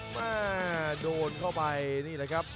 มาโดนเข้าไปนี่แหละครับ